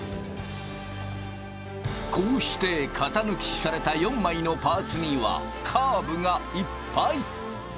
こうして型抜きされた４枚のパーツにはカーブがいっぱい。